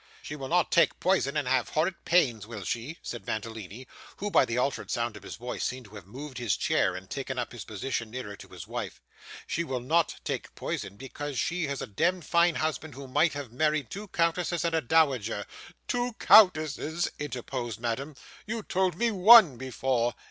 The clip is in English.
'She will not take poison and have horrid pains, will she?' said Mantalini; who, by the altered sound of his voice, seemed to have moved his chair, and taken up his position nearer to his wife. 'She will not take poison, because she had a demd fine husband who might have married two countesses and a dowager ' 'Two countesses,' interposed Madame. 'You told me one before!